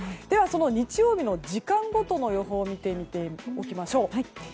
では、その日曜日の時間ごとの予報を見ておきましょう。